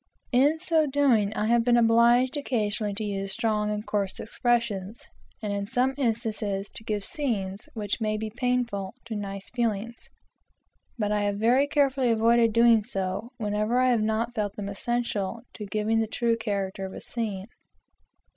In so doing, I have been obliged occasionally to use strong and coarse expressions, and in some instances to give scenes which may be painful to nice feelings; but I have very carefully avoided doing so, whenever I have not felt them essential to giving the true character of a scene.